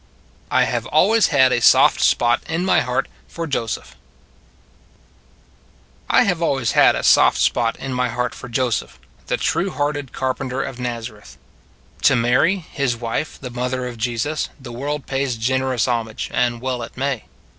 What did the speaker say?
I HAVE ALWAYS HAD A SOFT SPOT IN MY HEART FOR JOSEPH I HAVE always had a soft spot in my heart for Joseph, the true hearted car penter of Nazareth. To Mary, his wife, the mother of Jesus, the world pays generous homage, and well it may.